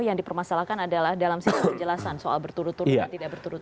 yang dipermasalahkan adalah dalam sisi penjelasan soal berturut turut atau tidak berturut turut